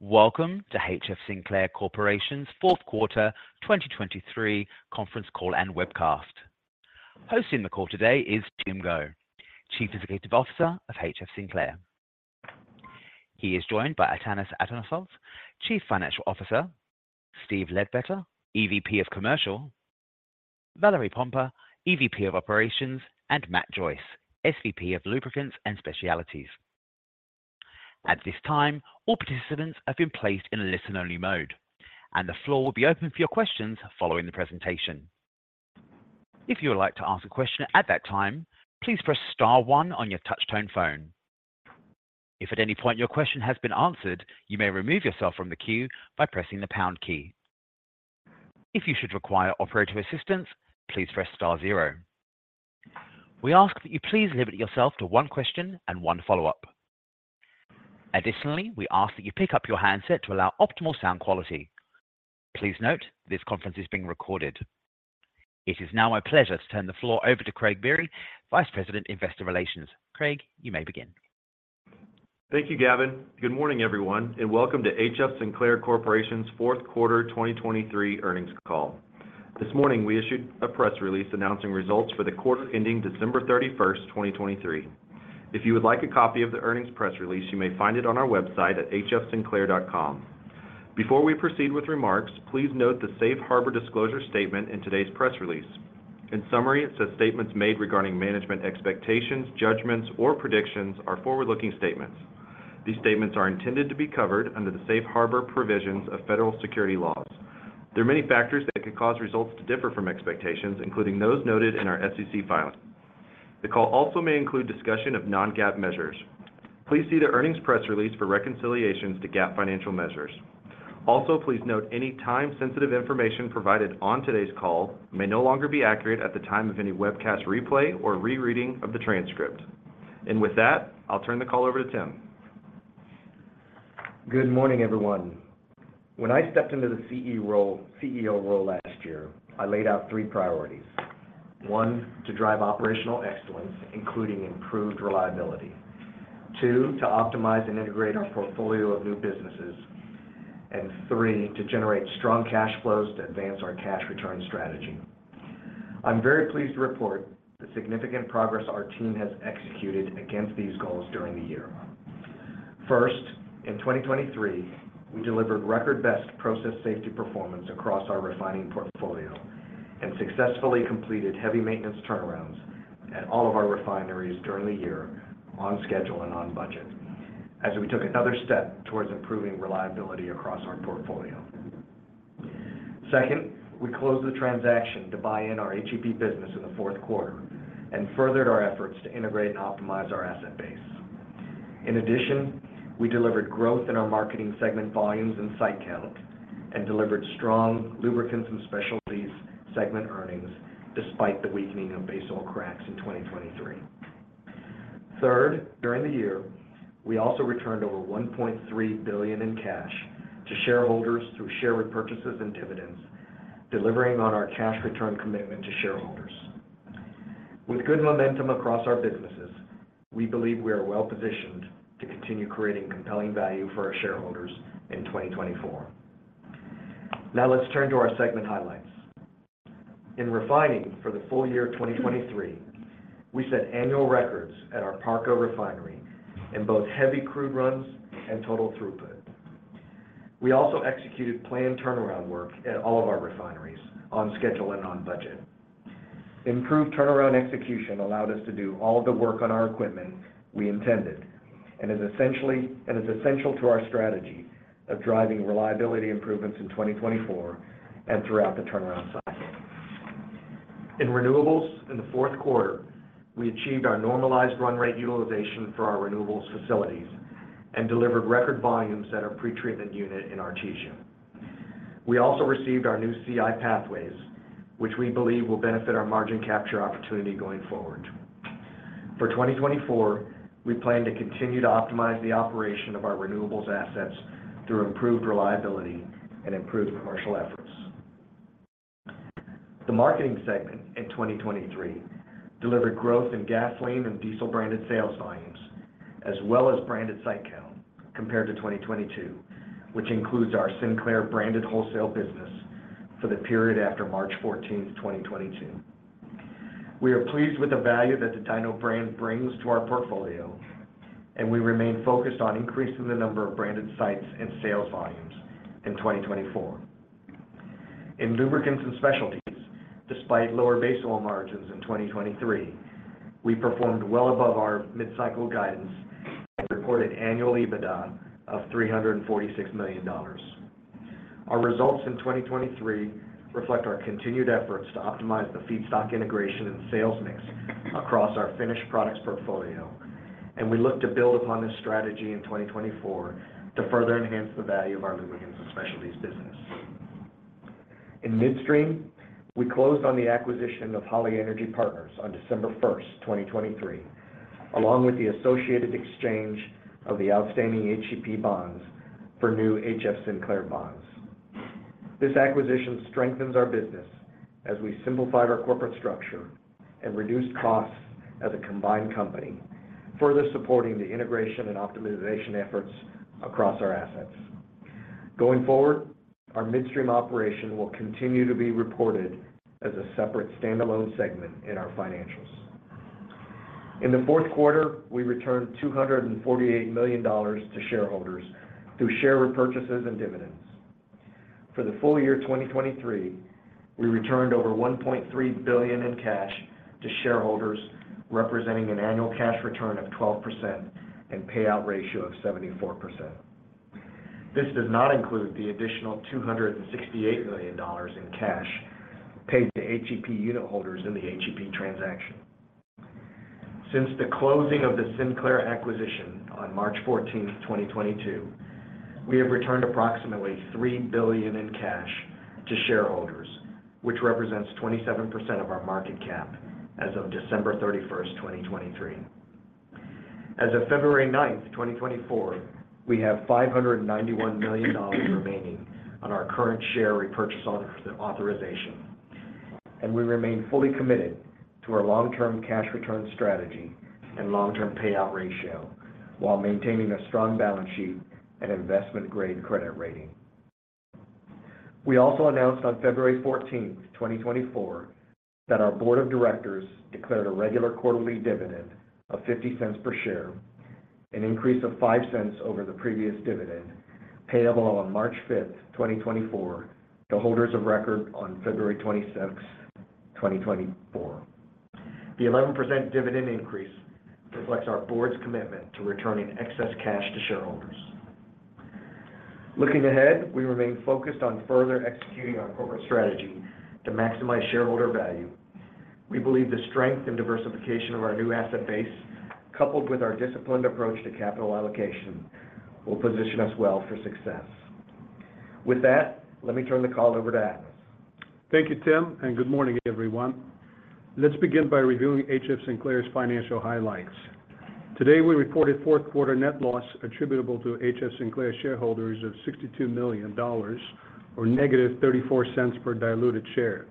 Welcome to HF Sinclair Corporation's Fourth Quarter 2023 Conference Call and Webcast. Hosting the call today is Tim Go, Chief Executive Officer of HF Sinclair. He is joined by Atanas Atanasov, Chief Financial Officer, Steve Ledbetter, EVP of Commercial, Valerie Pompa, EVP of Operations, and Matt Joyce, SVP of Lubricants and Specialties. At this time, all participants have been placed in a listen-only mode, and the floor will be open for your questions following the presentation. If you would like to ask a question at that time, please press star one on your touchtone phone. If at any point your question has been answered, you may remove yourself from the queue by pressing the pound key. If you should require operator assistance, please press star zero. We ask that you please limit yourself to one question and one follow-up. Additionally, we ask that you pick up your handset to allow optimal sound quality. Please note, this conference is being recorded. It is now my pleasure to turn the floor over to Craig Biery, Vice President, Investor Relations. Craig, you may begin. Thank you, Gavin. Good morning, everyone, and welcome to HF Sinclair Corporation's Fourth Quarter 2023 Earnings Call. This morning, we issued a press release announcing results for the quarter ending December 31st, 2023. If you would like a copy of the earnings press release, you may find it on our website at hfsinclair.com. Before we proceed with remarks, please note the Safe Harbor disclosure statement in today's press release. In summary, it says, "Statements made regarding management expectations, judgments, or predictions are forward-looking statements. These statements are intended to be covered under the Safe Harbor provisions of federal securities laws. There are many factors that could cause results to differ from expectations, including those noted in our SEC filing." The call also may include discussion of non-GAAP measures. Please see the earnings press release for reconciliations to GAAP financial measures. Also, please note any time-sensitive information provided on today's call may no longer be accurate at the time of any webcast replay or rereading of the transcript. With that, I'll turn the call over to Tim. Good morning, everyone. When I stepped into the CEO role last year, I laid out three priorities. One, to drive operational excellence, including improved reliability. Two, to optimize and integrate our portfolio of new businesses. And three, to generate strong cash flows to advance our cash return strategy. I'm very pleased to report the significant progress our team has executed against these goals during the year. First, in 2023, we delivered record-best process safety performance across our refining portfolio and successfully completed heavy maintenance turnarounds at all of our refineries during the year, on schedule and on budget, as we took another step towards improving reliability across our portfolio. Second, we closed the transaction to buy in our HEP business in the fourth quarter and furthered our efforts to integrate and optimize our asset base. In addition, we delivered growth in our marketing segment volumes and site count, and delivered strong lubricants and specialties segment earnings, despite the weakening of base oil cracks in 2023. Third, during the year, we also returned over $1.3 billion in cash to shareholders through share repurchases and dividends, delivering on our cash return commitment to shareholders. With good momentum across our businesses, we believe we are well positioned to continue creating compelling value for our shareholders in 2024. Now, let's turn to our segment highlights. In refining for the full year of 2023, we set annual records at our Parco Refinery in both heavy crude runs and total throughput. We also executed planned turnaround work at all of our refineries on schedule and on budget. Improved turnaround execution allowed us to do all the work on our equipment we intended, and is essential to our strategy of driving reliability improvements in 2024 and throughout the turnaround cycle. In renewables, in the fourth quarter, we achieved our normalized run rate utilization for our renewables facilities and delivered record volumes at our pretreatment unit in Artesia. We also received our new CI pathways, which we believe will benefit our margin capture opportunity going forward. For 2024, we plan to continue to optimize the operation of our renewables assets through improved reliability and improved commercial efforts. The marketing segment in 2023 delivered growth in gasoline and diesel branded sales volumes, as well as branded site count compared to 2022, which includes our Sinclair branded wholesale business for the period after March 14th, 2022. We are pleased with the value that the Dino brand brings to our portfolio, and we remain focused on increasing the number of branded sites and sales volumes in 2024. In lubricants and specialties, despite lower base oil margins in 2023, we performed well above our mid-cycle guidance and reported annual EBITDA of $346 million. Our results in 2023 reflect our continued efforts to optimize the feedstock integration and sales mix across our finished products portfolio, and we look to build upon this strategy in 2024 to further enhance the value of our lubricants and specialties business. In midstream, we closed on the acquisition of Holly Energy Partners on December 1st, 2023, along with the associated exchange of the outstanding HEP bonds for new HF Sinclair bonds. This acquisition strengthens our business as we simplified our corporate structure and reduced costs as a combined company, further supporting the integration and optimization efforts across our assets. Going forward, our midstream operation will continue to be reported as a separate standalone segment in our financials. In the fourth quarter, we returned $248 million to shareholders through share repurchases and dividends. For the full year 2023, we returned over $1.3 billion in cash to shareholders, representing an annual cash return of 12% and payout ratio of 74%. This does not include the additional $268 million in cash paid to HEP unit holders in the HEP transaction. Since the closing of the Sinclair acquisition on March 14th, 2022, we have returned approximately $3 billion in cash to shareholders, which represents 27% of our market cap as of December 31st, 2023. As of February 9th, 2024, we have $591 million remaining on our current share repurchase authorization, and we remain fully committed to our long-term cash return strategy and long-term payout ratio, while maintaining a strong balance sheet and investment-grade credit rating. We also announced on February 14th, 2024, that our board of directors declared a regular quarterly dividend of $0.50 per share, an increase of $0.05 over the previous dividend, payable on March 5th, 2024, to holders of record on February 26th, 2024. The 11% dividend increase reflects our board's commitment to returning excess cash to shareholders. Looking ahead, we remain focused on further executing our corporate strategy to maximize shareholder value. We believe the strength and diversification of our new asset base, coupled with our disciplined approach to capital allocation, will position us well for success. With that, let me turn the call over to Atanas. Thank you, Tim, and good morning, everyone. Let's begin by reviewing H.F. Sinclair's financial highlights. Today, we reported fourth quarter net loss attributable to H.F. Sinclair shareholders of $62 million, or -$0.34 per diluted share.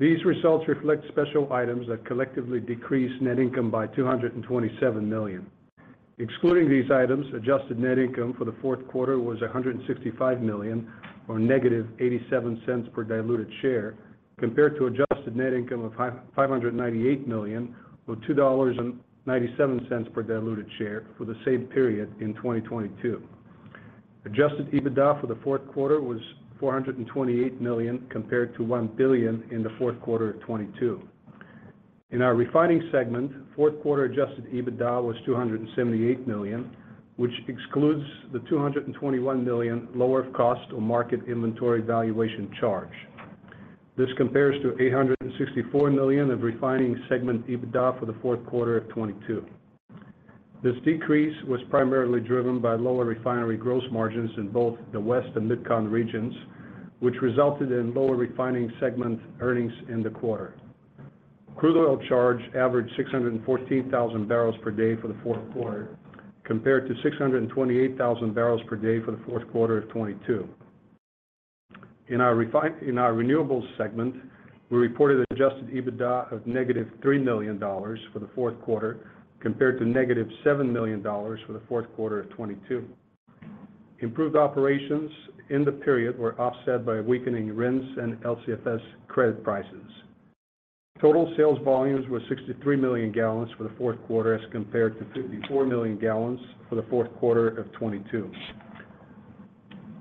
These results reflect special items that collectively decrease net income by $227 million. Excluding these items, adjusted net income for the fourth quarter was $165 million, or -$0.87 per diluted share, compared to adjusted net income of $598 million, or $2.97 per diluted share for the same period in 2022. Adjusted EBITDA for the fourth quarter was $428 million, compared to $1 billion in the fourth quarter of 2022. In our refining segment, fourth quarter adjusted EBITDA was $278 million, which excludes the $221 million lower-of-cost-or-market inventory valuation charge. This compares to $864 million of refining segment EBITDA for the fourth quarter of 2022. This decrease was primarily driven by lower refinery gross margins in both the West and MidCon regions, which resulted in lower refining segment earnings in the quarter. Crude oil charge averaged 614,000 barrels per day for the fourth quarter, compared to 628,000 barrels per day for the fourth quarter of 2022. In our renewables segment, we reported adjusted EBITDA of -$3 million for the fourth quarter, compared to -$7 million for the fourth quarter of 2022. Improved operations in the period were offset by weakening RINs and LCFS credit prices. Total sales volumes were 63 million gallons for the fourth quarter, as compared to 54 million gallons for the fourth quarter of 2022.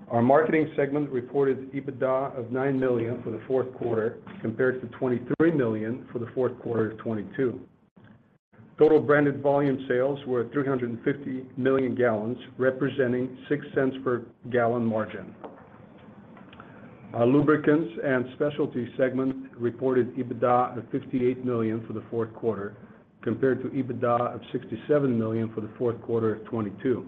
Our marketing segment reported EBITDA of $9 million for the fourth quarter, compared to $23 million for the fourth quarter of 2022. Total branded volume sales were 350 million gallons, representing $0.06 per gallon margin. Our lubricants and specialty segment reported EBITDA of $58 million for the fourth quarter, compared to EBITDA of $67 million for the fourth quarter of 2022.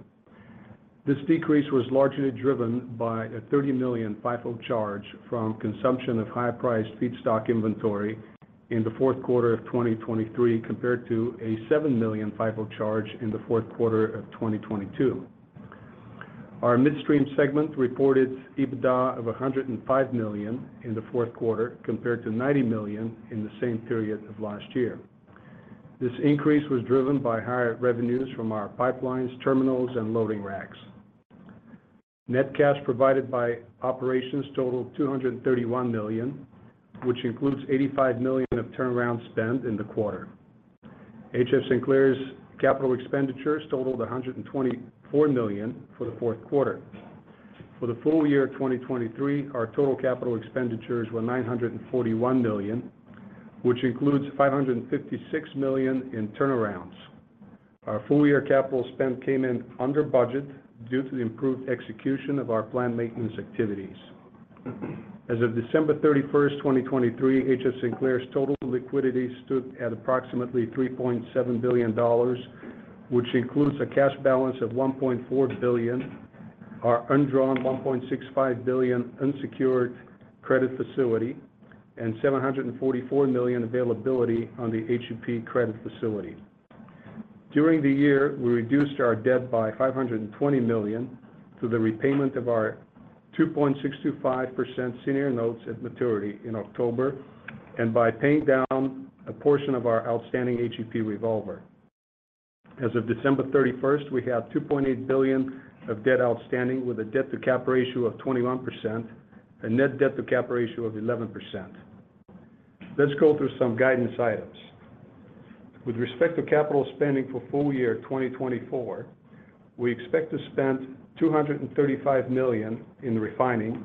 This decrease was largely driven by a $30 million FIFO charge from consumption of higher-priced feedstock inventory in the fourth quarter of 2023, compared to a $7 million FIFO charge in the fourth quarter of 2022. Our midstream segment reported EBITDA of $105 million in the fourth quarter, compared to $90 million in the same period of last year. This increase was driven by higher revenues from our pipelines, terminals, and loading racks. Net cash provided by operations totaled $231 million, which includes $85 million of turnaround spend in the quarter. HF Sinclair's capital expenditures totaled $124 million for the fourth quarter. For the full year 2023, our total capital expenditures were $941 million, which includes $556 million in turnarounds. Our full-year capital spend came in under budget due to the improved execution of our planned maintenance activities. As of December 31st, 2023, HF. Sinclair's total liquidity stood at approximately $3.7 billion, which includes a cash balance of $1.4 billion, our undrawn $1.65 billion unsecured credit facility, and $744 million availability on the HEP credit facility. ...During the year, we reduced our debt by $520 million to the repayment of our 2.625% senior notes at maturity in October, and by paying down a portion of our outstanding HEP revolver. As of December 31st, we have $2.8 billion of debt outstanding, with a debt to capital ratio of 21%, a net debt to capital ratio of 11%. Let's go through some guidance items. With respect to capital spending for full year 2024, we expect to spend $235 million in refining,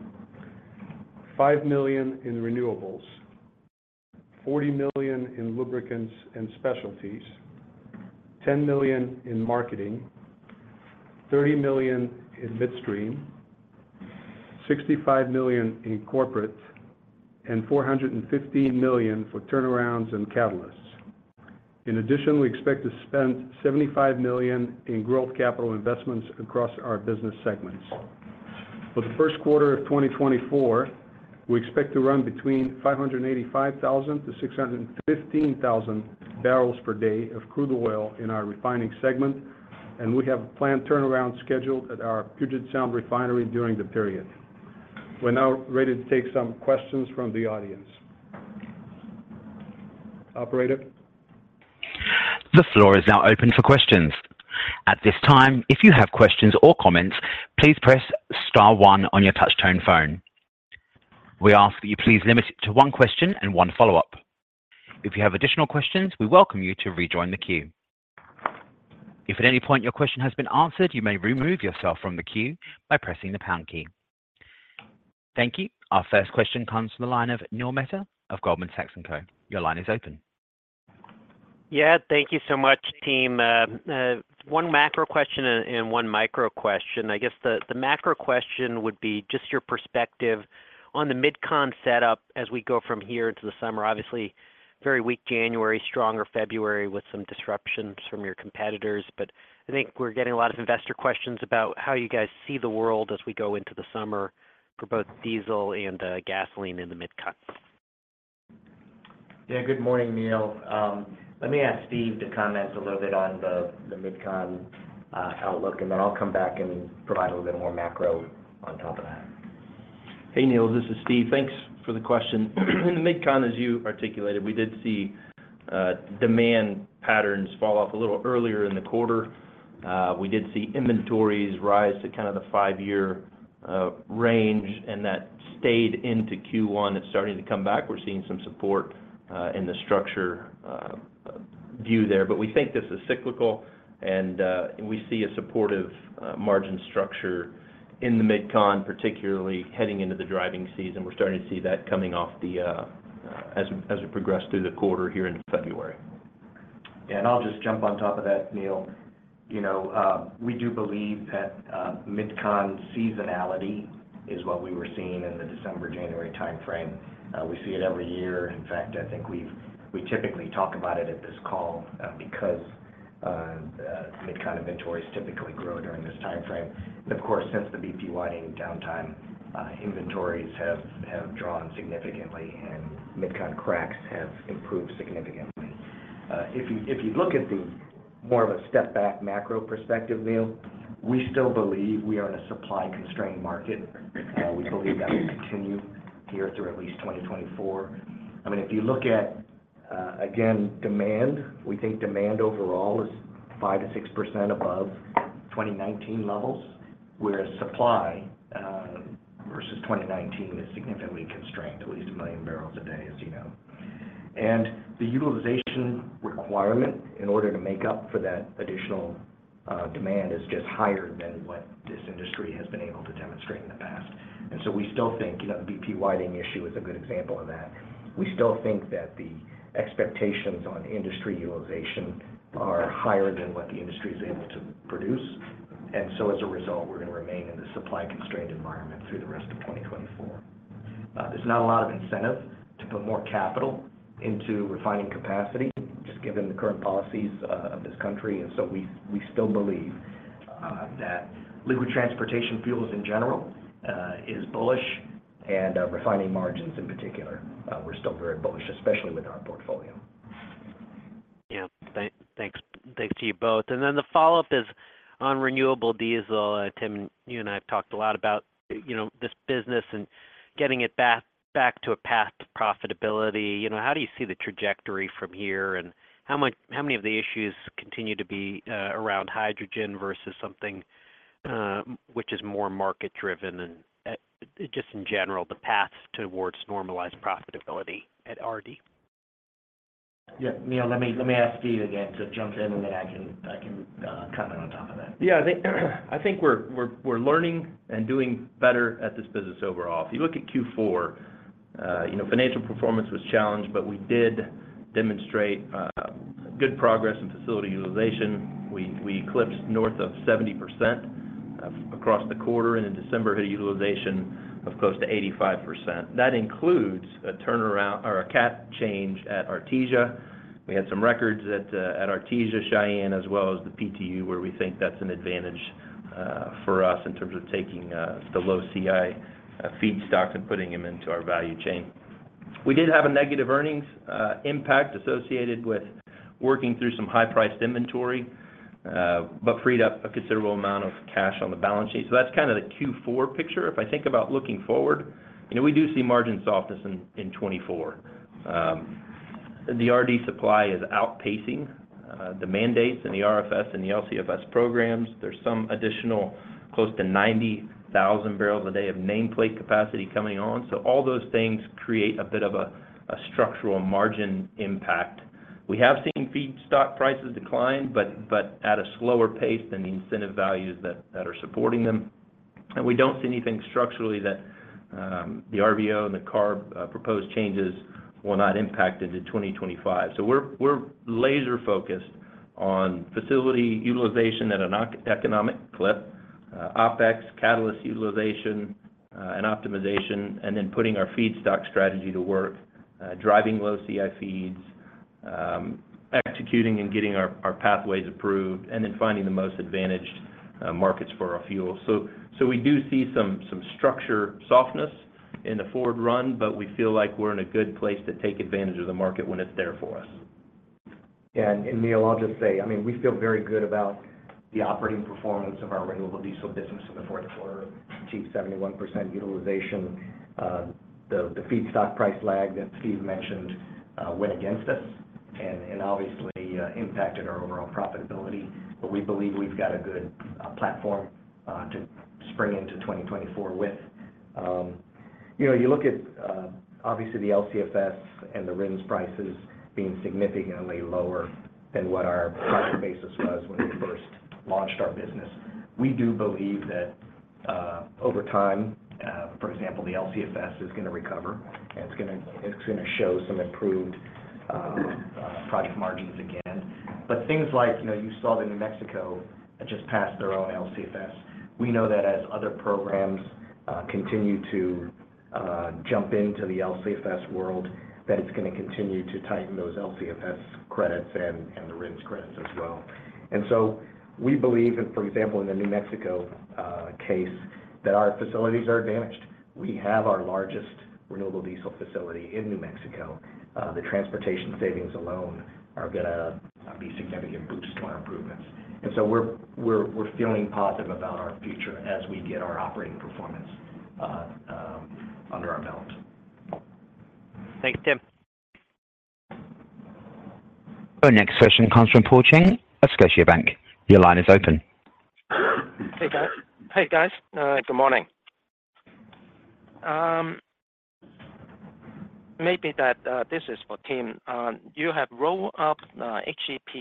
$5 million in renewables, $40 million in lubricants and specialties, $10 million in marketing, $30 million in midstream, $65 million in corporate, and $415 million for turnarounds and catalysts. In addition, we expect to spend $75 million in growth capital investments across our business segments. For the first quarter of 2024, we expect to run between 585,000-615,000 barrels per day of crude oil in our refining segment, and we have a planned turnaround scheduled at our Puget Sound Refinery during the period. We're now ready to take some questions from the audience. Operator? The floor is now open for questions. At this time, if you have questions or comments, please press star one on your touchtone phone. We ask that you please limit it to one question and one follow-up. If you have additional questions, we welcome you to rejoin the queue. If at any point your question has been answered, you may remove yourself from the queue by pressing the pound key. Thank you. Our first question comes from the line of Neil Mehta of Goldman Sachs & Co. Your line is open. Yeah, thank you so much, team. One macro question and one micro question. I guess the macro question would be just your perspective on the MidCon setup as we go from here into the summer. Obviously, very weak January, stronger February, with some disruptions from your competitors. But I think we're getting a lot of investor questions about how you guys see the world as we go into the summer for both diesel and gasoline in the MidCon. Yeah, good morning, Neil. Let me ask Steve to comment a little bit on the MidCon outlook, and then I'll come back and provide a little bit more macro on top of that. Hey, Neil, this is Steve. Thanks for the question. In the MidCon, as you articulated, we did see demand patterns fall off a little earlier in the quarter. We did see inventories rise to kind of the five-year range, and that stayed into Q1. It's starting to come back. We're seeing some support in the structure view there. But we think this is cyclical and we see a supportive margin structure in the MidCon, particularly heading into the driving season. We're starting to see that coming off the as we progress through the quarter here in February. And I'll just jump on top of that, Neil. You know, we do believe that MidCon seasonality is what we were seeing in the December-January timeframe. We see it every year. In fact, I think we typically talk about it at this call, because MidCon inventories typically grow during this timeframe. And of course, since the BP Whiting downtime, inventories have drawn significantly, and MidCon cracks have improved significantly. If you look at the more of a step back macro perspective, Neil, we still believe we are in a supply-constrained market. We believe that will continue the year through at least 2024. I mean, if you look at, again, demand, we think demand overall is 5%-6% above 2019 levels, whereas supply, versus 2019 is significantly constrained, at least 1 million barrels a day, as you know. And the utilization requirement in order to make up for that additional, demand is just higher than what this industry has been able to demonstrate in the past. And so we still think, you know, the BP Whiting issue is a good example of that. We still think that the expectations on industry utilization are higher than what the industry is able to produce, and so as a result, we're going to remain in the supply-constrained environment through the rest of 2024. There's not a lot of incentive to put more capital into refining capacity, just given the current policies, of this country. We still believe that liquid transportation fuels in general is bullish, and refining margins in particular, we're still very bullish, especially with our portfolio. Yeah. Thanks, thanks to you both. Then the follow-up is on renewable diesel. Tim, you and I have talked a lot about, you know, this business and getting it back to a path to profitability. You know, how do you see the trajectory from here, and how many of the issues continue to be around hydrogen versus something which is more market driven and just in general, the path towards normalized profitability at RD? Yeah, Neil, let me, let me ask Steve again to jump in, and then I can, I can, comment on top of that. Yeah, I think we're learning and doing better at this business overall. If you look at Q4, you know, financial performance was challenged, but we did demonstrate good progress in facility utilization. We eclipsed north of 70% across the quarter, and in December, had a utilization of close to 85%. That includes a turnaround or a cat change at Artesia. We had some records at Artesia, Cheyenne, as well as the PTU, where we think that's an advantage for us in terms of taking the low CI feedstock and putting them into our value chain.... We did have a negative earnings impact associated with working through some high-priced inventory but freed up a considerable amount of cash on the balance sheet. So that's kind of the Q4 picture. If I think about looking forward, you know, we do see margin softness in 2024. The RD supply is outpacing the mandates and the RFS and the LCFS programs. There's some additional, close to 90,000 barrels a day, of nameplate capacity coming on. So all those things create a bit of a structural margin impact. We have seen feedstock prices decline, but at a slower pace than the incentive values that are supporting them. And we don't see anything structurally that the RVO and the CARB proposed changes will not impact into 2025. So we're laser focused on facility utilization at an economic clip, OpEx, catalyst utilization, and optimization, and then putting our feedstock strategy to work, driving low CI feeds, executing and getting our pathways approved, and then finding the most advantaged markets for our fuel. So we do see some structure softness in the forward run, but we feel like we're in a good place to take advantage of the market when it's there for us. Yeah. And, and Neil, I'll just say, I mean, we feel very good about the operating performance of our renewable diesel business in the fourth quarter. Achieved 71% utilization. The feedstock price lag that Steve mentioned went against us and obviously impacted our overall profitability, but we believe we've got a good platform to spring into 2024 with. You know, you look at obviously, the LCFS and the RINs prices being significantly lower than what our price basis was when we first launched our business. We do believe that over time, for example, the LCFS is gonna recover, and it's gonna show some improved project margins again. But things like, you know, you saw that New Mexico just passed their own LCFS. We know that as other programs continue to jump into the LCFS world, that it's gonna continue to tighten those LCFS credits and the RINs credits as well. And so we believe that, for example, in the New Mexico case, that our facilities are advantaged. We have our largest renewable diesel facility in New Mexico. The transportation savings alone are gonna be significant boosts to our improvements. And so we're feeling positive about our future as we get our operating performance under our belt. Thanks, Tim. Our next question comes from Paul Cheng at Scotiabank. Your line is open. Hey, guys. Hey, guys, good morning. This is for Tim. You have rolled up HEP.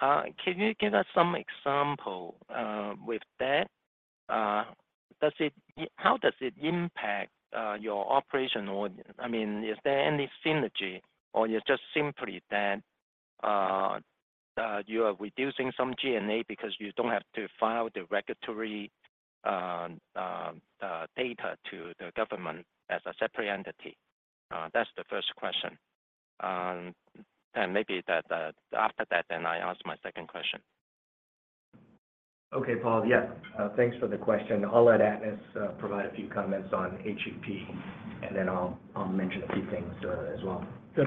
Can you give us some example with that? How does it impact your operation or, I mean, is there any synergy, or it's just simply that you are reducing some G&A because you don't have to file the regulatory data to the government as a separate entity? That's the first question. And after that, then I ask my second question. Okay, Paul. Yeah, thanks for the question. I'll let Atanas provide a few comments on HEP, and then I'll mention a few things as well. Yeah.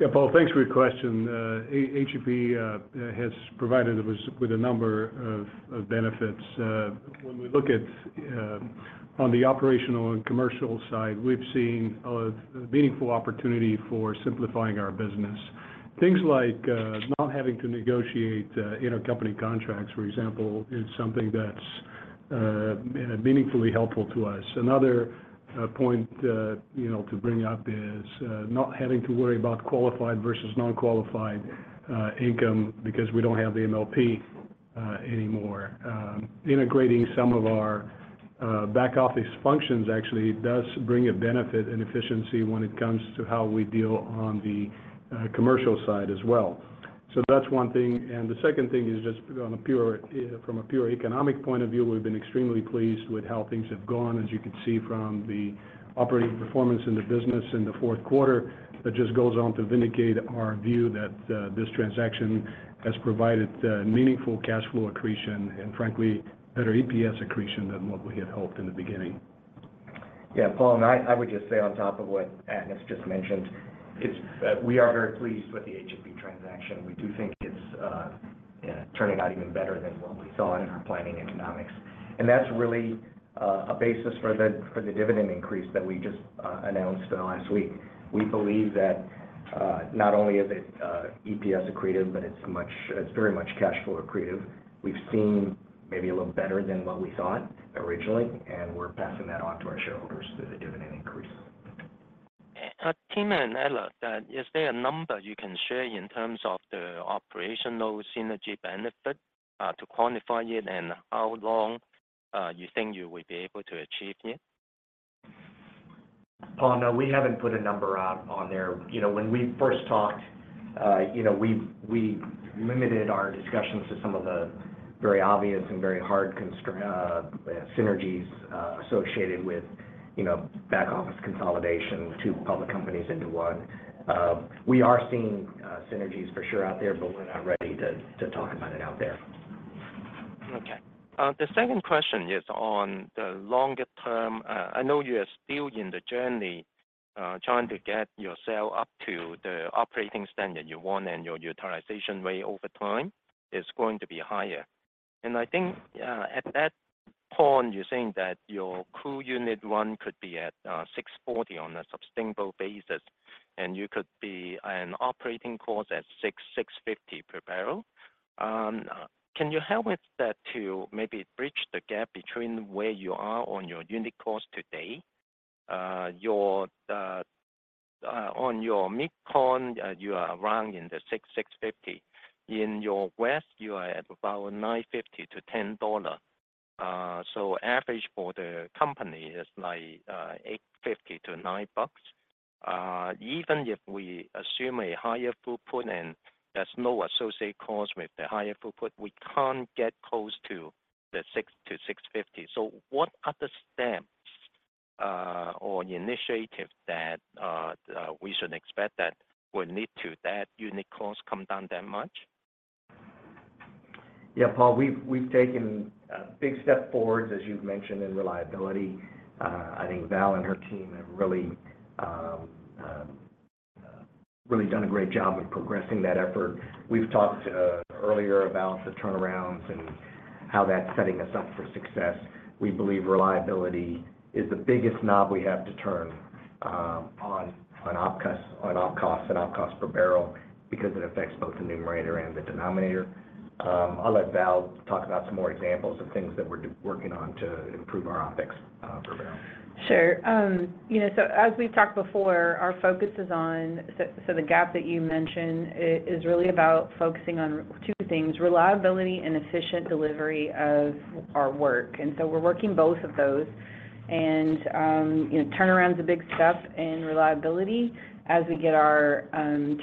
Yeah, Paul, thanks for your question. HEP has provided us with a number of benefits. When we look at on the operational and commercial side, we've seen a meaningful opportunity for simplifying our business. Things like not having to negotiate intercompany contracts, for example, is something that's meaningfully helpful to us. Another point, you know, to bring up is not having to worry about qualified versus non-qualified income, because we don't have the MLP anymore. Integrating some of our back office functions actually does bring a benefit and efficiency when it comes to how we deal on the commercial side as well. So that's one thing. The second thing is just on a pure, from a pure economic point of view, we've been extremely pleased with how things have gone. As you can see from the operating performance in the business in the fourth quarter, that just goes on to vindicate our view that, this transaction has provided, meaningful cash flow accretion and frankly, better EPS accretion than what we had hoped in the beginning. Yeah, Paul, and I would just say on top of what Atanas just mentioned, is that we are very pleased with the HEP transaction. We do think it's turning out even better than what we thought in our planning economics. And that's really a basis for the dividend increase that we just announced last week. We believe that not only is it EPS accretive, but it's much, it's very much cash flow accretive. We've seen maybe a little better than what we thought originally, and we're passing that on to our shareholders through the dividend increase. Tim and Vale, is there a number you can share in terms of the operational synergy benefit to quantify it and how long you think you will be able to achieve it? Paul, no, we haven't put a number out on there. You know, when we first talked, you know, we limited our discussions to some of the very obvious and very hard synergies associated with, you know, back office consolidation, two public companies into one. We are seeing synergies for sure out there, but we're not ready to talk about it out there.... Okay. The second question is on the longer term. I know you are still in the journey, trying to get yourself up to the operating standard you want, and your utilization rate over time is going to be higher. And I think, at that point, you're saying that your crude unit 1 could be at 640 on a sustainable basis, and you could be an operating cost at $6.65 per barrel. Can you help with that to maybe bridge the gap between where you are on your unit cost today? Your on your MidCon, you are around in the $6.65. In your West, you are at about $9.50-$10. So average for the company is like, $8.50-$9. Even if we assume a higher throughput and there's no associated cost with the higher throughput, we can't get close to the $6-$650. So what are the steps, or initiative that we should expect that will lead to that unit costs come down that much? Yeah, Paul, we've taken a big step forward, as you've mentioned, in reliability. I think Val and her team have really done a great job with progressing that effort. We've talked earlier about the turnarounds and how that's setting us up for success. We believe reliability is the biggest knob we have to turn on OpEx, on OpEx, and OpEx per barrel because it affects both the numerator and the denominator. I'll let Val talk about some more examples of things that we're working on to improve our OpEx per barrel. Sure. You know, so as we've talked before, our focus is on... So, the gap that you mentioned is really about focusing on two things: reliability and efficient delivery of our work. And so we're working both of those. And, you know, turnaround is a big step in reliability. As we get our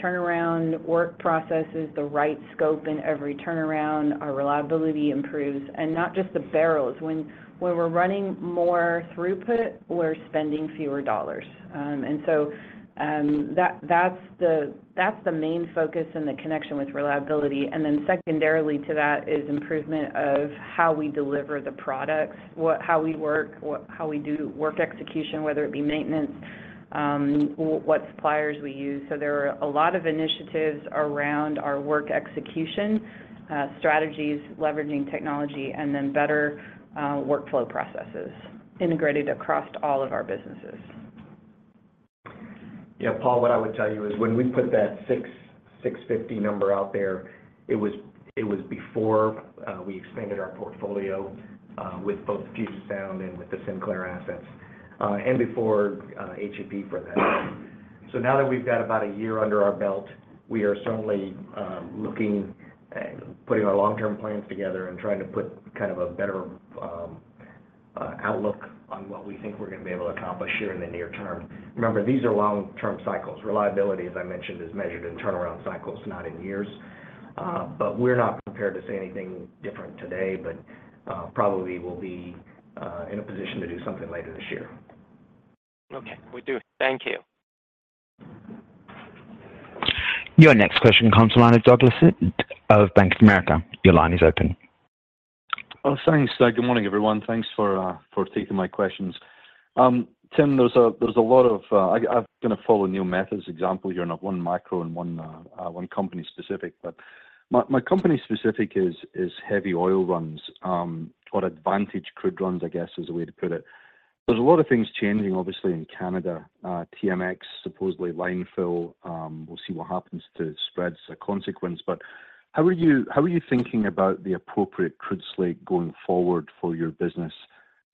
turnaround work processes, the right scope in every turnaround, our reliability improves, and not just the barrels. When we're running more throughput, we're spending fewer dollars. And so, that's the main focus and the connection with reliability. And then secondarily to that is improvement of how we deliver the products, how we work, how we do work execution, whether it be maintenance, what suppliers we use. There are a lot of initiatives around our work execution strategies, leveraging technology, and then better workflow processes integrated across all of our businesses. Yeah, Paul, what I would tell you is, when we put that 665 number out there, it was, it was before we expanded our portfolio with both Puget Sound and with the Sinclair assets and before HEP for that. So now that we've got about a year under our belt, we are certainly looking putting our long-term plans together and trying to put kind of a better outlook on what we think we're going to be able to accomplish here in the near term. Remember, these are long-term cycles. Reliability, as I mentioned, is measured in turnaround cycles, not in years. But we're not prepared to say anything different today, but probably will be in a position to do something later this year. Okay. Will do. Thank you. Your next question comes from the line of Douglas Leggate of Bank of America. Your line is open. Thanks, Doug. Good morning, everyone. Thanks for taking my questions. Tim, there's a lot of... I'm gonna follow Neil Mehta's example here, not one micro and one company specific. But my company specific is heavy oil runs, or advantage crude runs, I guess, is a way to put it. There's a lot of things changing, obviously, in Canada. TMX, supposedly line fill. We'll see what happens to spreads a consequence. But how are you thinking about the appropriate crude slate going forward for your business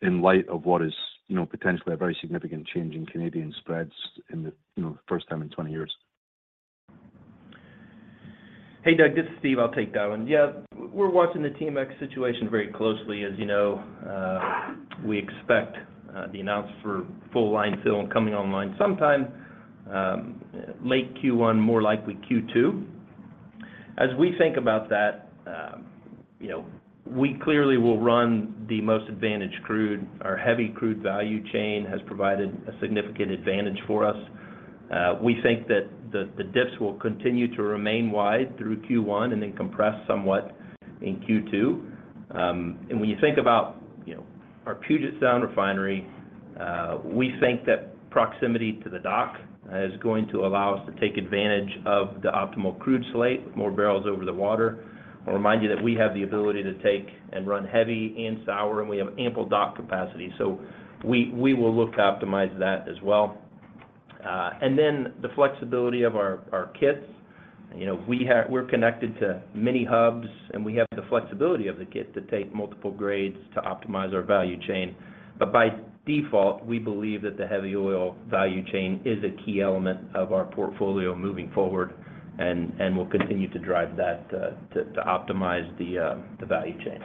in light of what is, you know, potentially a very significant change in Canadian spreads in the, you know, first time in twenty years? Hey, Doug, this is Steve. I'll take that one. Yeah, we're watching the TMX situation very closely. As you know, we expect the announcement for full line fill and coming online sometime, late Q1, more likely Q2. As we think about that, you know, we clearly will run the most advantaged crude. Our heavy crude value chain has provided a significant advantage for us. We think that the dips will continue to remain wide through Q1 and then compress somewhat in Q2. And when you think about, you know, our Puget Sound Refinery, we think that proximity to the dock is going to allow us to take advantage of the optimal crude slate, more barrels over the water. I'll remind you that we have the ability to take and run heavy and sour, and we have ample dock capacity, so we will look to optimize that as well. And then the flexibility of our kits. You know, we have, we're connected to many hubs, and we have the flexibility of the kits to take multiple grades to optimize our value chain. But by default, we believe that the heavy oil value chain is a key element of our portfolio moving forward, and we'll continue to drive that to optimize the value chain.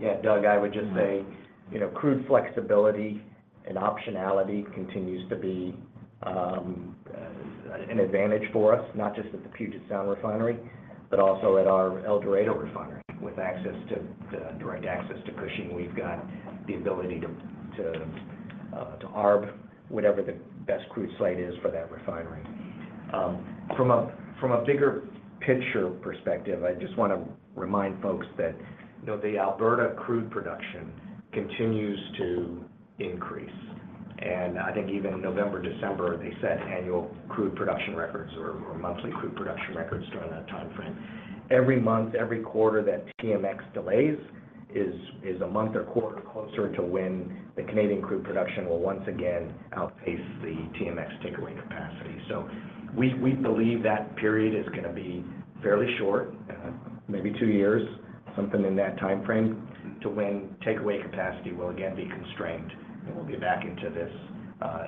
Yeah, Doug, I would just say, you know, crude flexibility and optionality continues to be an advantage for us, not just at the Puget Sound Refinery, but also at our El Dorado Refinery. With direct access to Cushing, we've got the ability to arb whatever the best crude slate is for that refinery. From a bigger picture perspective, I just wanna remind folks that, you know, the Alberta crude production continues to increase. I think even in November, December, they set annual crude production records or monthly crude production records during that timeframe. Every month, every quarter that TMX delays is a month or quarter closer to when the Canadian crude production will once again outpace the TMX takeaway capacity. So we believe that period is gonna be fairly short, maybe two years, something in that timeframe to when takeaway capacity will again be constrained, and we'll be back into this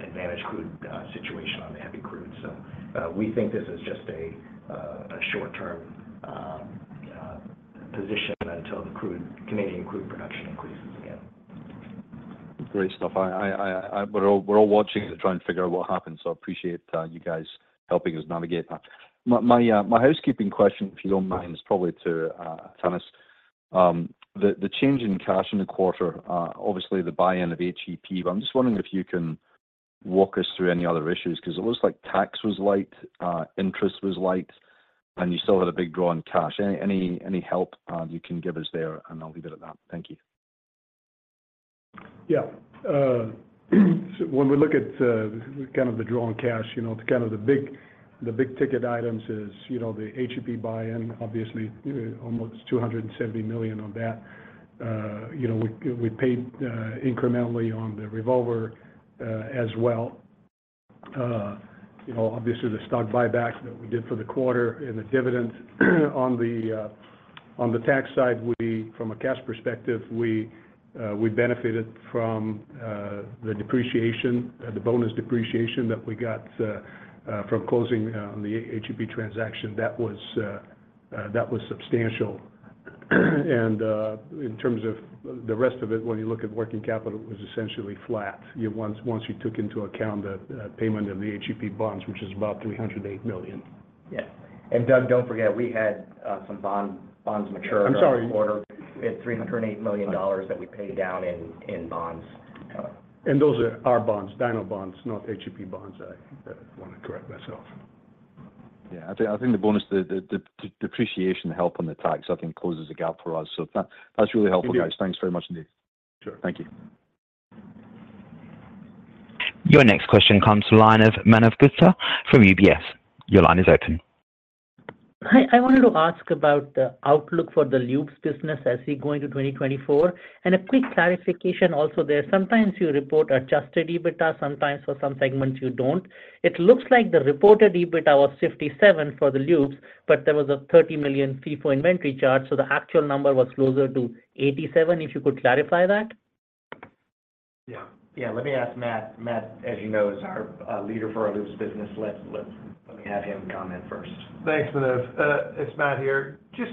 advantage crude situation on the heavy crude. So, we think this is just a short-term position until Canadian crude production increases again. Great stuff. We're all watching to try and figure out what happened, so I appreciate you guys helping us navigate that. My housekeeping question, if you don't mind, is probably to Thomas. The change in cash in the quarter, obviously, the buy-in of HEP, but I'm just wondering if you can walk us through any other issues, 'cause it looks like tax was light, interest was light, and you still had a big draw on cash. Any help you can give us there, and I'll leave it at that. Thank you. Yeah. So when we look at kind of the draw in cash, you know, kind of the big ticket items is, you know, the HEP buy-in, obviously, almost $270 million on that. You know, we paid incrementally on the revolver as well. You know, obviously, the stock buyback that we did for the quarter and the dividends. On the tax side, from a cash perspective, we benefited from the depreciation, the bonus depreciation that we got from closing on the HEP transaction. That was substantial. And in terms of the rest of it, when you look at working capital, it was essentially flat. Once you took into account the payment of the HEP bonds, which is about $308 million. Yeah. Doug, don't forget, we had some bonds mature- I'm sorry. in the quarter. We had $308 million that we paid down in bonds. Those are our bonds, DINO bonds, not HEP bonds. I wanna correct myself. Yeah, I think the bonus, the depreciation help on the tax, I think, closes the gap for us. So that's really helpful, guys. Mm-hmm. Thanks very much indeed. Sure. Thank you. Your next question comes from the line of Manav Gupta from UBS. Your line is open. Hi, I wanted to ask about the outlook for the lubes business as we go into 2024. And a quick clarification also there. Sometimes you report adjusted EBITDA, sometimes for some segments, you don't. It looks like the reported EBITDA was $57 million for the lubes, but there was a $30 million FIFO inventory charge, so the actual number was closer to $87 million, if you could clarify that? Yeah. Yeah, let me ask Matt. Matt, as you know, is our leader for our lubes business. Let's, let's let me have him comment first. Thanks, Manav. It's Matt here. Just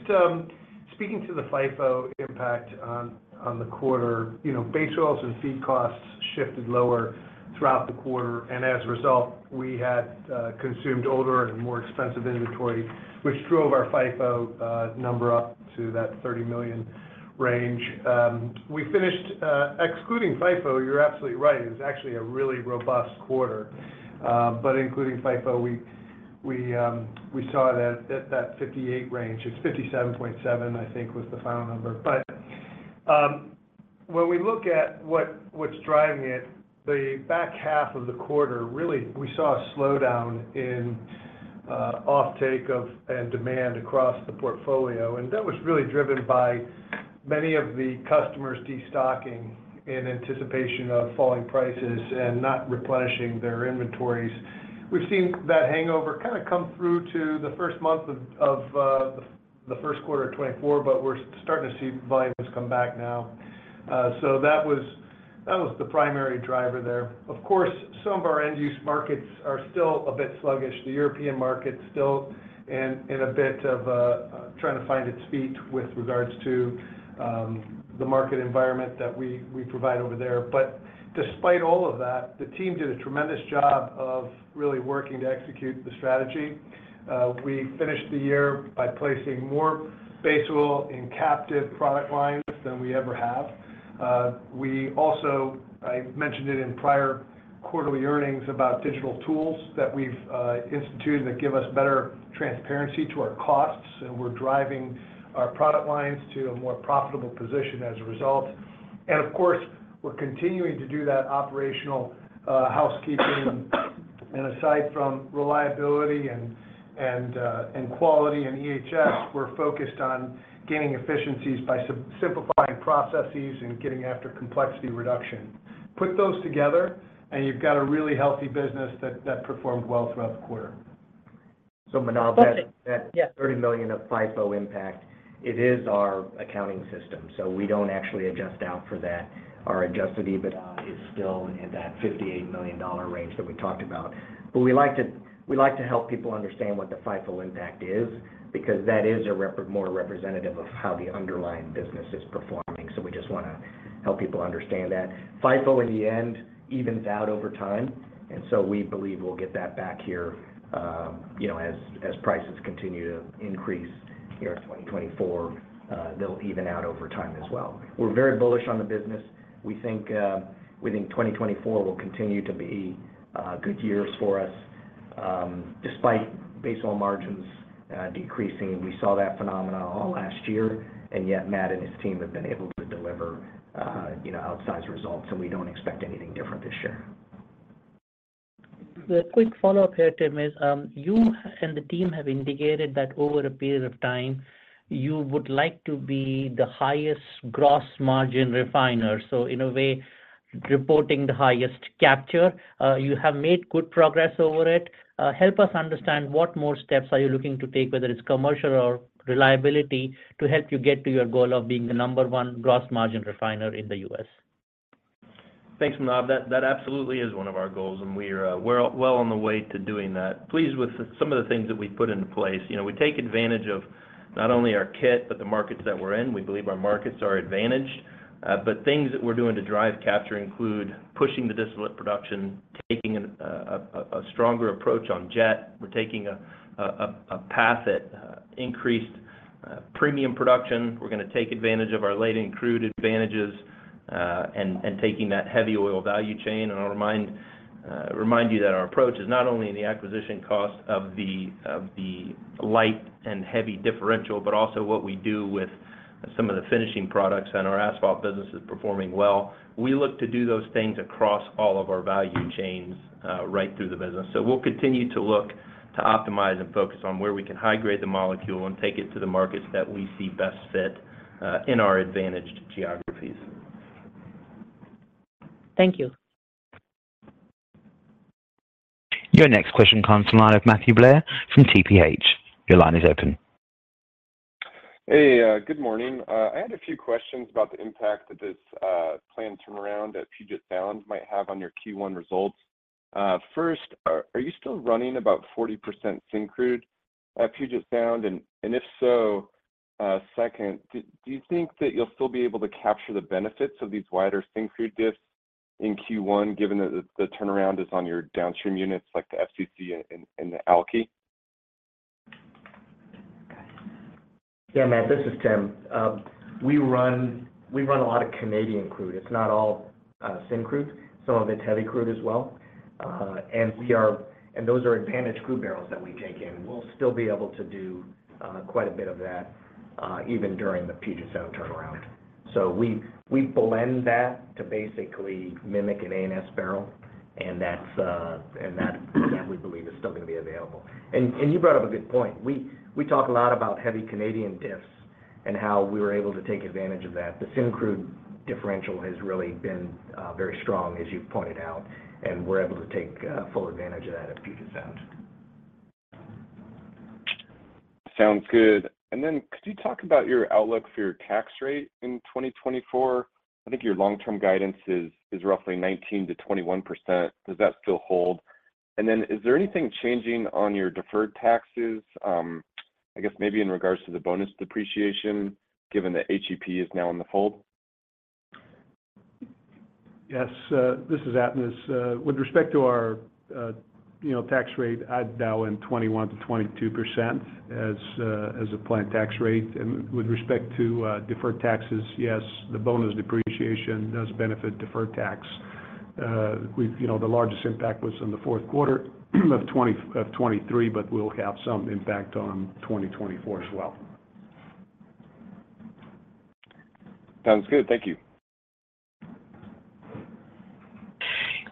speaking to the FIFO impact on the quarter, you know, base oils and feed costs shifted lower throughout the quarter, and as a result, we had consumed older and more expensive inventory, which drove our FIFO number up to that $30 million range. We finished... Excluding FIFO, you're absolutely right. It was actually a really robust quarter. But including FIFO, we saw that at that $58 range. It's $57.7, I think, was the final number. But when we look at what's driving it, the back half of the quarter, really, we saw a slowdown in offtake and demand across the portfolio, and that was really driven by many of the customers destocking in anticipation of falling prices and not replenishing their inventories. We've seen that hangover kind of come through to the first month of the first quarter of 2024, but we're starting to see volumes come back now. So that was the primary driver there. Of course, some of our end-use markets are still a bit sluggish. The European market still in a bit of trying to find its feet with regards to the market environment that we provide over there. But despite all of that, the team did a tremendous job of really working to execute the strategy. We finished the year by placing more base oil in captive product lines than we ever have. We also, I mentioned it in prior quarterly earnings about digital tools that we've instituted that give us better transparency to our costs, and we're driving our product lines to a more profitable position as a result. And of course, we're continuing to do that operational housekeeping. And aside from reliability and quality and EHS, we're focused on gaining efficiencies by simplifying processes and getting after complexity reduction. Put those together, and you've got a really healthy business that performed well throughout the quarter. So, Manav, that- Yeah. $30 million of FIFO impact, it is our accounting system, so we don't actually adjust out for that. Our adjusted EBITDA is still in that $58 million range that we talked about. But we like to, we like to help people understand what the FIFO impact is, because that is a more representative of how the underlying business is performing. So we just wanna help people understand that. FIFO, in the end, evens out over time, and so we believe we'll get that back here, you know, as prices continue to increase here in 2024, they'll even out over time as well. We're very bullish on the business. We think, we think 2024 will continue to be good years for us. Despite base oil margins decreasing, we saw that phenomenon all last year, and yet Matt and his team have been able to deliver, you know, outsized results, and we don't expect anything different this year. The quick follow-up here, Tim, is, you and the team have indicated that over a period of time, you would like to be the highest gross margin refiner. So in a way, reporting the highest capture. Help us understand, what more steps are you looking to take, whether it's commercial or reliability, to help you get to your goal of being the number one gross margin refiner in the U.S.? Thanks, Manav. That absolutely is one of our goals, and we are well on the way to doing that. Pleased with some of the things that we've put into place. You know, we take advantage of not only our kit, but the markets that we're in. We believe our markets are advantaged. But things that we're doing to drive capture include pushing the distillate production, taking a stronger approach on jet. We're taking a path at increased premium production. We're gonna take advantage of our latent crude advantages, and taking that heavy oil value chain. I'll remind you that our approach is not only in the acquisition cost of the light and heavy differential, but also what we do with some of the finishing products, and our asphalt business is performing well. We look to do those things across all of our value chains, right through the business. We'll continue to look to optimize and focus on where we can high grade the molecule and take it to the markets that we see best fit, in our advantaged geographies. Thank you. Your next question comes from Matthew Blair from TPH. Your line is open. Hey, good morning. I had a few questions about the impact that this planned turnaround at Puget Sound might have on your Q1 results. First, are you still running about 40% syn crude at Puget Sound? And if so, second, do you think that you'll still be able to capture the benefits of these wider syn crude diffs in Q1, given that the turnaround is on your downstream units, like the FCC and the alky? Yeah, Matt, this is Tim. We run, we run a lot of Canadian crude. It's not all syn crude. Some of it's heavy crude as well. And those are advantaged crude barrels that we take in. We'll still be able to do quite a bit of that even during the Puget Sound turnaround. So we blend that to basically mimic an ANS barrel, and that, we believe, is still gonna be available. And you brought up a good point. We talk a lot about heavy Canadian diffs and how we were able to take advantage of that. The syn crude differential has really been very strong, as you've pointed out, and we're able to take full advantage of that at Puget Sound. Sounds good. And then could you talk about your outlook for your tax rate in 2024? I think your long-term guidance is roughly 19%-21%. Does that still hold? And then, is there anything changing on your deferred taxes, I guess maybe in regards to the bonus depreciation, given that HEP is now in the fold? Yes, this is Atanas. With respect to our, you know, tax rate, I'd dial in 21%-22% as a planned tax rate. And with respect to deferred taxes, yes, the bonus depreciation does benefit deferred tax. We've, you know, the largest impact was in the fourth quarter of 2023, but we'll have some impact on 2024 as well. Sounds good. Thank you.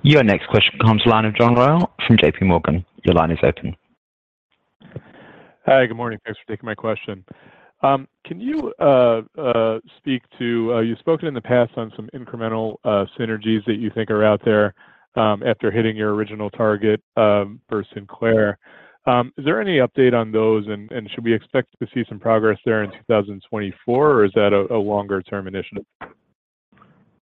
Your next question comes from the line of John Royall from JPMorgan. Your line is open. Hi, good morning. Thanks for taking my question. Can you speak to... You've spoken in the past on some incremental synergies that you think are out there, after hitting your original target, for Sinclair. Is there any update on those, and should we expect to see some progress there in 2024, or is that a longer-term initiative?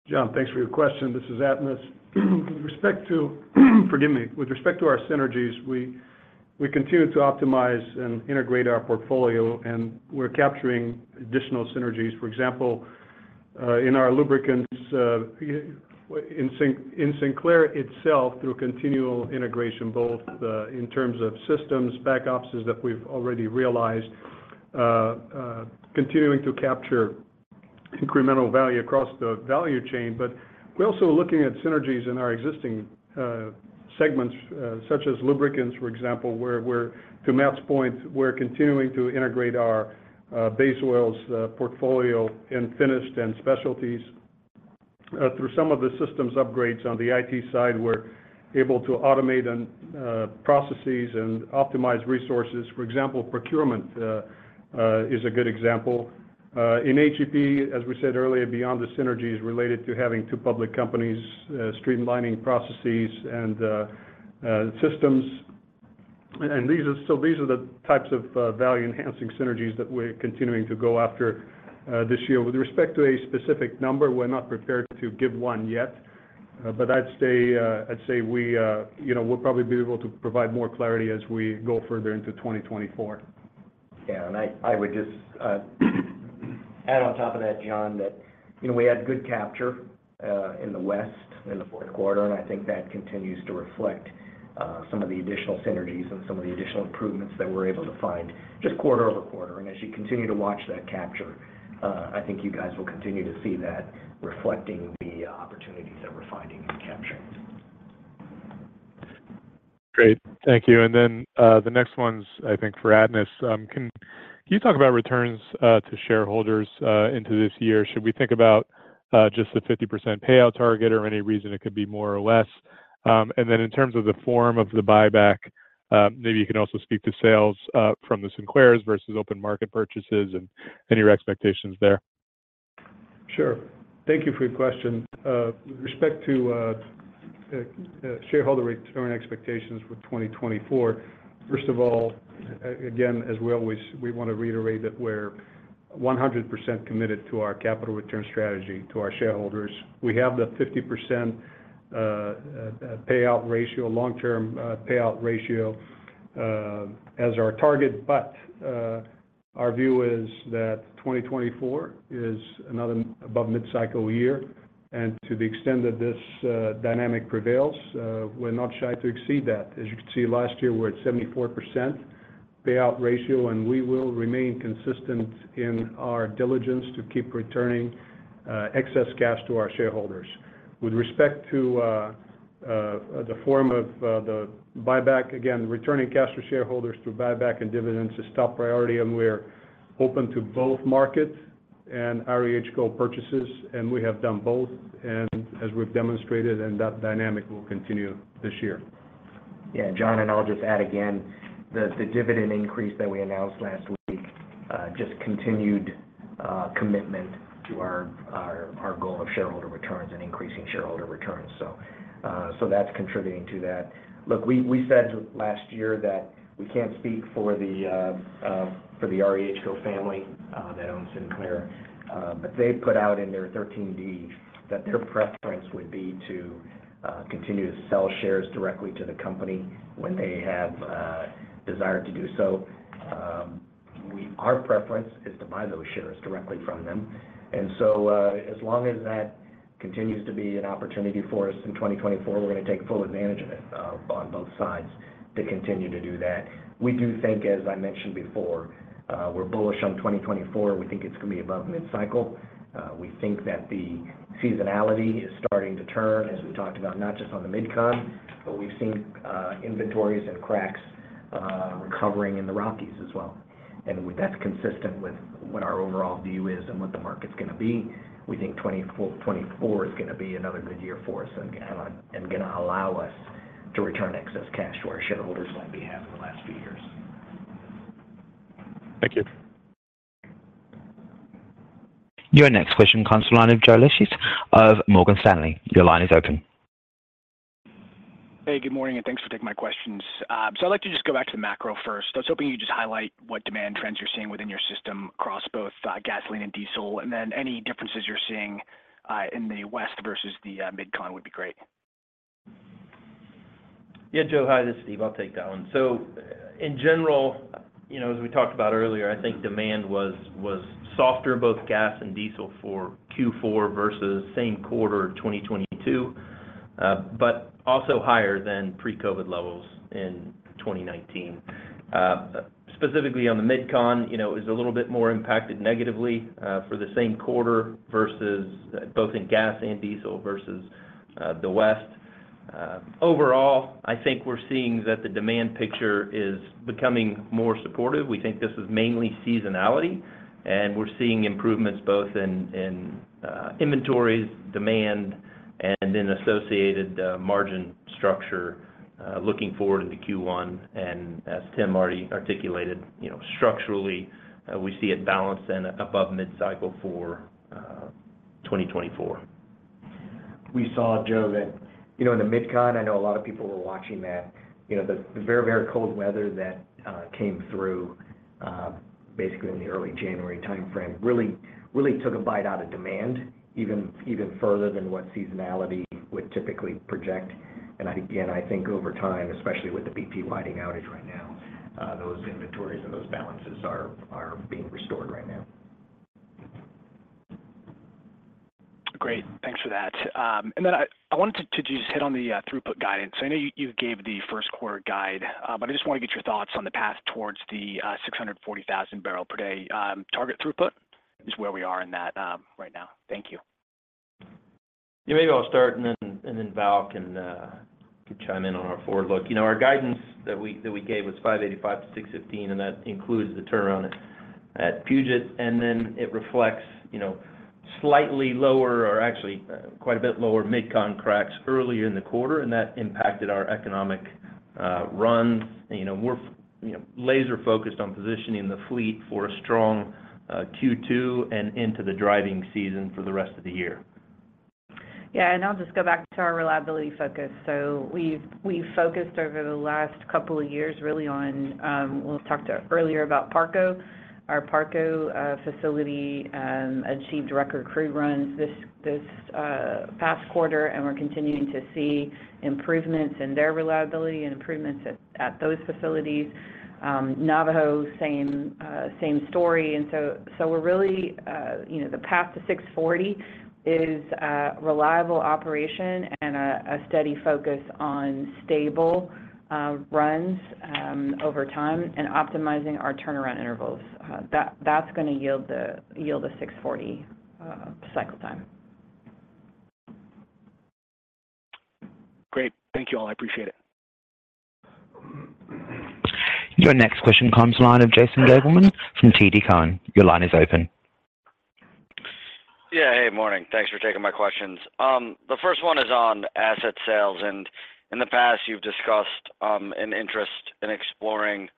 John, thanks for your question. This is Atanas. With respect to, forgive me. With respect to our synergies, we continue to optimize and integrate our portfolio, and we're capturing additional synergies. For example, in our lubricants, in Sinclair itself, through continual integration, both in terms of systems, back offices that we've already realized, continuing to capture incremental value across the value chain. But we're also looking at synergies in our existing segments, such as lubricants, for example, where we're to Matt's point, we're continuing to integrate our base oils portfolio in finished and specialties. Through some of the systems upgrades on the IT side, we're able to automate and processes and optimize resources. For example, procurement is a good example. In HEP, as we said earlier, beyond the synergies related to having two public companies, streamlining processes and systems, and these are the types of value-enhancing synergies that we're continuing to go after this year. With respect to a specific number, we're not prepared to give one yet, but I'd say we, you know, we'll probably be able to provide more clarity as we go further into 2024. Yeah, and I would just add on top of that, John, that you know, we had good capture in the West in the fourth quarter, and I think that continues to reflect some of the additional synergies and some of the additional improvements that we're able to find just quarter-over-quarter. And as you continue to watch that capture, I think you guys will continue to see that reflecting the opportunities that we're finding and capturing.... Great. Thank you. And then, the next one's, I think, for Atanas. Can you talk about returns to shareholders into this year? Should we think about just the 50% payout target or any reason it could be more or less? And then in terms of the form of the buyback, maybe you can also speak to sales from the Sinclair's versus open market purchases and any expectations there. Sure. Thank you for your question. With respect to shareholder return expectations for 2024, first of all, again, as we always, we want to reiterate that we're 100% committed to our capital return strategy to our shareholders. We have the 50% payout ratio, long-term payout ratio, as our target. But our view is that 2024 is another above mid-cycle year, and to the extent that this dynamic prevails, we're not shy to exceed that. As you can see, last year, we're at 74% payout ratio, and we will remain consistent in our diligence to keep returning excess cash to our shareholders. With respect to the form of the buyback, again, returning cash to shareholders through buyback and dividends is top priority, and we're open to both markets and REHCo purchases, and we have done both, and as we've demonstrated, and that dynamic will continue this year. Yeah, John, and I'll just add, again, the dividend increase that we announced last week just continued commitment to our goal of shareholder returns and increasing shareholder returns. So, that's contributing to that. Look, we said last year that we can't speak for the REHCo family that owns Sinclair. But they put out in their 13D that their preference would be to continue to sell shares directly to the company when they have desired to do so. Our preference is to buy those shares directly from them. And so, as long as that continues to be an opportunity for us in 2024, we're gonna take full advantage of it on both sides to continue to do that. We do think, as I mentioned before, we're bullish on 2024. We think it's gonna be above mid-cycle. We think that the seasonality is starting to turn, as we talked about, not just on the MidCon, but we've seen, inventories and cracks, recovering in the Rockies as well. And that's consistent with what our overall view is and what the market's gonna be. We think 2024-- 2024 is gonna be another good year for us and, and gonna allow us to return excess cash to our shareholders like we have in the last few years. Thank you. Your next question comes from the line of Joe Laetsch of Morgan Stanley. Your line is open. Hey, good morning, and thanks for taking my questions. So I'd like to just go back to the macro first. I was hoping you'd just highlight what demand trends you're seeing within your system across both gasoline and diesel, and then any differences you're seeing in the West versus the MidCon would be great. Yeah, Joe. Hi, this is Steve. I'll take that one. So in general, you know, as we talked about earlier, I think demand was softer, both gas and diesel, for Q4 versus same quarter of 2022, but also higher than pre-COVID levels in 2019. Specifically on the MidCon, you know, it was a little bit more impacted negatively, for the same quarter versus both in gas and diesel versus the West. Overall, I think we're seeing that the demand picture is becoming more supportive. We think this is mainly seasonality, and we're seeing improvements both in inventories, demand, and in associated margin structure, looking forward to Q1. And as Tim already articulated, you know, structurally, we see it balanced and above mid-cycle for 2024. We saw, Joe, that, you know, in the MidCon, I know a lot of people were watching that. You know, the very, very cold weather that came through basically in the early January timeframe really, really took a bite out of demand, even, even further than what seasonality would typically project. And again, I think over time, especially with the BP Whiting outage right now, those inventories and those balances are being restored right now. Great. Thanks for that. And then I wanted to just hit on the throughput guidance. I know you gave the first quarter guide, but I just want to get your thoughts on the path towards the 640,000 barrel per day target throughput, just where we are in that right now. Thank you. Yeah, maybe I'll start and then Val can chime in on our forward look. You know, our guidance that we gave was $585-$615, and that includes the turnaround at Puget, and then it reflects, you know, slightly lower or actually quite a bit lower MidCon cracks earlier in the quarter, and that impacted our economic run. You know, we're laser-focused on positioning the fleet for a strong Q2 and into the driving season for the rest of the year. Yeah, and I'll just go back to our reliability focus. So we've focused over the last couple of years, really on—we've talked earlier about Parco. Our Parco facility achieved record crude runs this past quarter, and we're continuing to see improvements in their reliability and improvements at those facilities. Navajo, same story. And so we're really, you know, the path to 640 is reliable operation and a steady focus on stable runs over time and optimizing our turnaround intervals. That's gonna yield a 640 cycle time.... Great. Thank you all. I appreciate it. Your next question comes from the line of Jason Gabelman from TD Cowen. Your line is open. Yeah. Hey, morning. Thanks for taking my questions. The first one is on asset sales. In the past, you've discussed an interest in exploring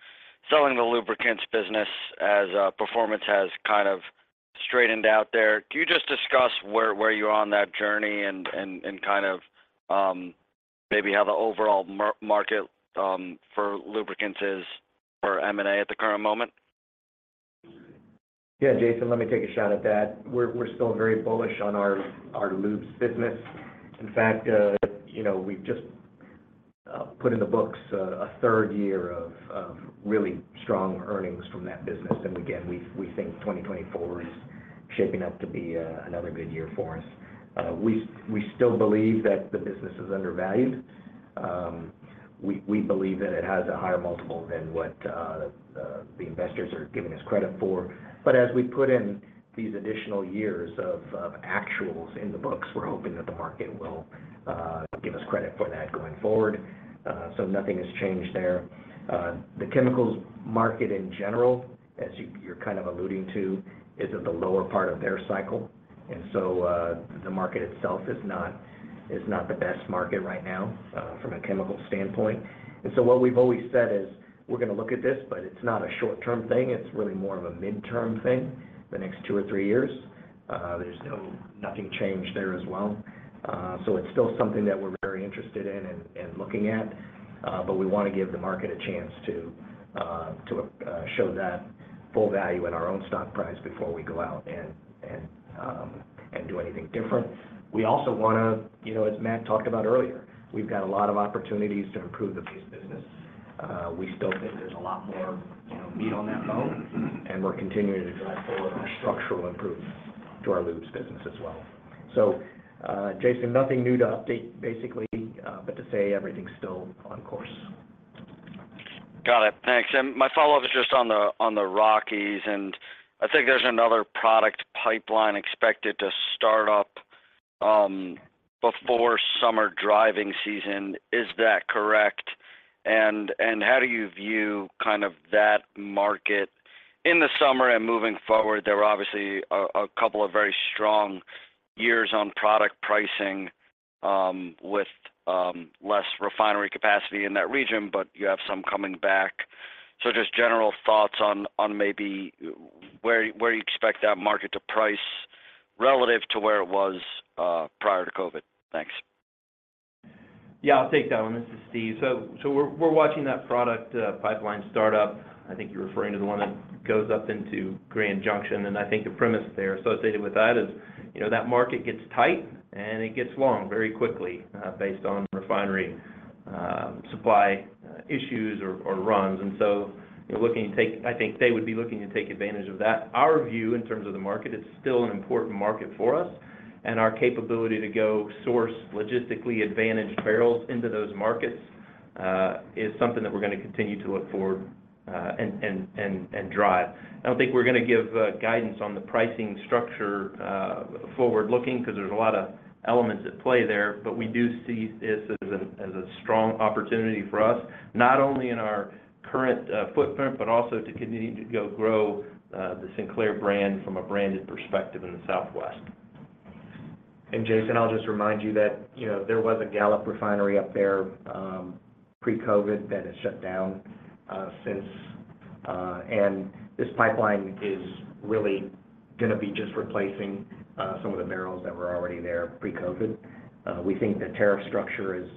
selling the lubricants business as performance has kind of straightened out there. Can you just discuss where you're on that journey and kind of maybe how the overall market for lubricants is for M&A at the current moment? Yeah, Jason, let me take a shot at that. We're, we're still very bullish on our, our lubes business. In fact, you know, we've just put in the books a third year of really strong earnings from that business. And again, we, we think 2024 is shaping up to be another good year for us. We, we still believe that the business is undervalued. We, we believe that it has a higher multiple than what the investors are giving us credit for. But as we put in these additional years of actuals in the books, we're hoping that the market will give us credit for that going forward. So nothing has changed there. The chemicals market in general, as you're kind of alluding to, is at the lower part of their cycle. The market itself is not, is not the best market right now, from a chemical standpoint. What we've always said is, we're gonna look at this, but it's not a short-term thing, it's really more of a midterm thing, the next two or three years. There's nothing changed there as well. So it's still something that we're very interested in and looking at, but we want to give the market a chance to show that full value in our own stock price before we go out and do anything different. We also wanna, you know, as Matt talked about earlier, we've got a lot of opportunities to improve the base business. We still think there's a lot more, you know, meat on that bone, and we're continuing to drive forward on structural improvements to our lubes business as well. So, Jason, nothing new to update, basically, but to say everything's still on course. Got it. Thanks. And my follow-up is just on the Rockies, and I think there's another product pipeline expected to start up before summer driving season. Is that correct? And how do you view kind of that market in the summer and moving forward? There were obviously a couple of very strong years on product pricing with less refinery capacity in that region, but you have some coming back. So just general thoughts on maybe where you expect that market to price relative to where it was prior to COVID. Thanks. Yeah, I'll take that one. This is Steve. So we're watching that product pipeline start up. I think you're referring to the one that goes up into Grand Junction, and I think the premise there associated with that is, you know, that market gets tight, and it gets long very quickly based on refinery supply issues or runs. And so we're looking to take. I think they would be looking to take advantage of that. Our view, in terms of the market, it's still an important market for us, and our capability to go source logistically advantaged barrels into those markets is something that we're gonna continue to look for and drive. I don't think we're gonna give guidance on the pricing structure forward looking, because there's a lot of elements at play there. But we do see this as a strong opportunity for us, not only in our current footprint, but also to continue to grow the Sinclair brand from a branded perspective in the Southwest. Jason, I'll just remind you that, you know, there was a Gallup refinery up there pre-COVID that has shut down since. This pipeline is really gonna be just replacing some of the barrels that were already there pre-COVID. We think the tariff structure is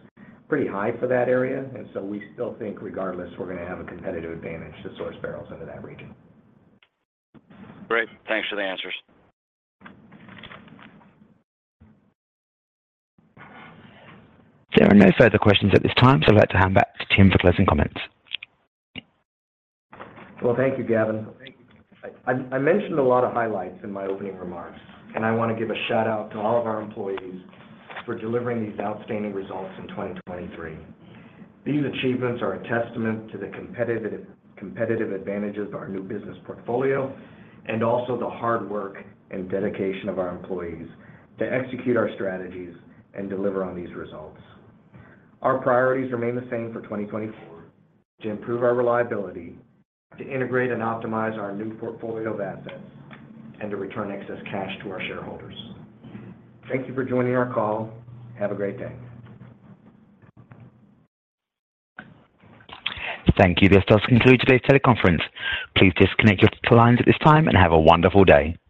pretty high for that area, and so we still think regardless, we're gonna have a competitive advantage to source barrels into that region. Great, thanks for the answers. There are no further questions at this time, so I'd like to hand back to Tim for closing comments. Well, thank you, Gavin. I mentioned a lot of highlights in my opening remarks, and I want to give a shout-out to all of our employees for delivering these outstanding results in 2023. These achievements are a testament to the competitive advantages of our new business portfolio, and also the hard work and dedication of our employees to execute our strategies and deliver on these results. Our priorities remain the same for 2024: to improve our reliability, to integrate and optimize our new portfolio of assets, and to return excess cash to our shareholders. Thank you for joining our call. Have a great day. Thank you. This does conclude today's teleconference. Please disconnect your lines at this time, and have a wonderful day.